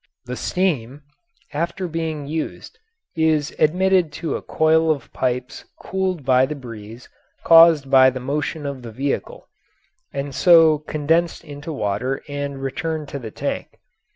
The steam, after being used, is admitted to a coil of pipes cooled by the breeze caused by the motion of the vehicle, and so condensed into water and returned to the tank.